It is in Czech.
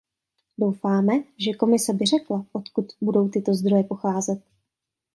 Doufáme, že Komise by řekla, odkud budou tyto zdroje pocházet.